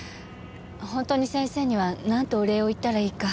本当に先生にはなんてお礼を言ったらいいか。